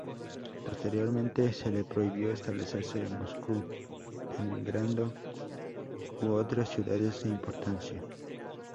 Posteriormente se le prohibió establecerse en Moscú, Leningrado u otras ciudades de importancia.